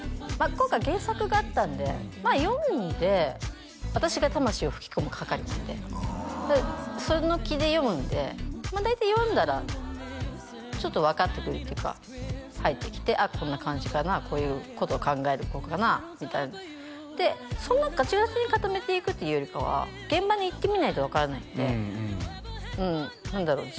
今回原作があったんでまあ読んで私が魂を吹き込む係なんでその気で読むんでまあ大体読んだらちょっと分かってくるっていうか入ってきてあっこんな感じかなこういうことを考える子かなみたいなでそんなガチガチに固めていくというよりかは現場に行ってみないと分からないんでうん何だろう